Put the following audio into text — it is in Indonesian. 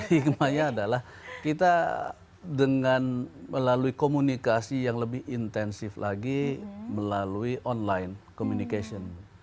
hikmahnya adalah kita dengan melalui komunikasi yang lebih intensif lagi melalui online communication